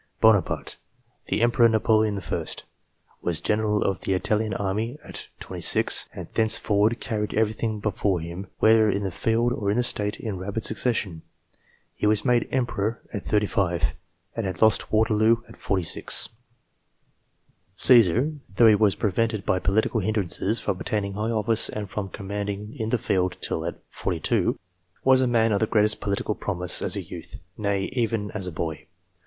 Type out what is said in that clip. Bonaparte, the Emperor Napoleon I., was general of the Italian army set. 26, and thenceforward carried everything before him, whether in the field or in the State, in rapid succession. He was made emperor set. 35, and had lost Waterloo set. 46. Csesar, though he was prevented by political hindrances from obtaining high office and from commanding in the field till set. 42, was a. man of the greatest political promise as a youth ; nay, even as a boy.